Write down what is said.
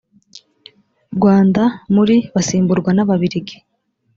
rwanda muri basimburwa n ababirigi